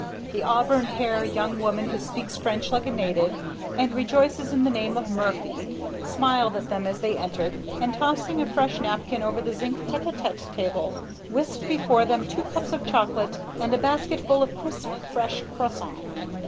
The auburn haired young woman who speaks French like a native, and rejoices in the name of Murphy, smiled at them as they entered, and tossing a fresh napkin over the zinc tête à tête table, whisked before them two cups of chocolate and a basket full of crisp, fresh croissons.